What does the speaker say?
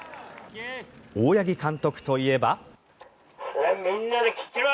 大八木監督といえば。